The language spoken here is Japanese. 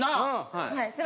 はい。